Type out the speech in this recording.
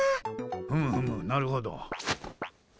ふむふむなるほど。